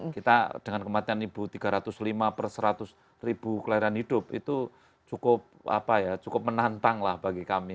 kita dengan kematian ibu tiga ratus lima per seratus ribu kelahiran hidup itu cukup menantang lah bagi kami